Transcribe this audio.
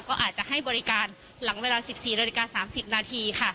ก็อาจจะให้บริการหลังเวลา๑๔นาฬิกา๓๐นาทีค่ะ